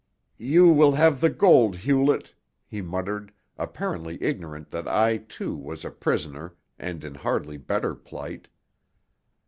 "You will have the gold, Hewlett," he muttered, apparently ignorant that I, too, was a prisoner and in hardly better plight.